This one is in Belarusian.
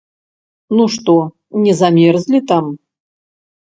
Ну што, не замерзлі там?